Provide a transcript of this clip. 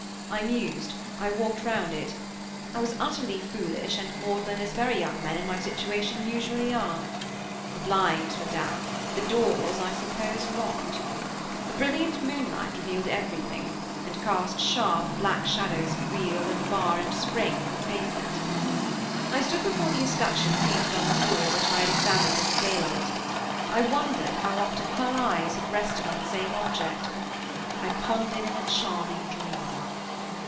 I mused, I walked round it; I was as utterly foolish and maudlin as very young men, in my situation, usually are. The blinds were down, the doors, I suppose, locked. The brilliant moonlight revealed everything, and cast sharp, black shadows of wheel, and bar, and spring, on the pavement. I stood before the escutcheon painted on the door, which I had examined in the daylight. I wondered how often her eyes had rested on the same object. I pondered in a charming dream.